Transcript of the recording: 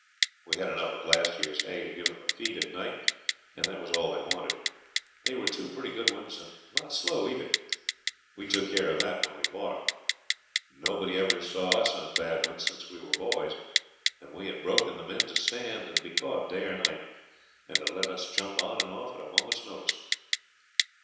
We had enough of last year's hay to give them a feed at night, and that was all they wanted. They were two pretty good ones and not slow either. We took care of that when we bought them. Nobody ever saw us on bad ones since we were boys, and we had broken them in to stand and be caught day or night, and to let us jump on and off at a moment's notice.